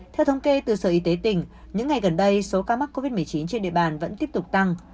theo thống kê từ sở y tế tỉnh những ngày gần đây số ca mắc covid một mươi chín trên địa bàn vẫn tiếp tục tăng